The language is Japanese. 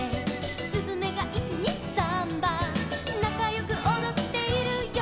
「すずめが１・２・サンバ」「なかよくおどっているよ」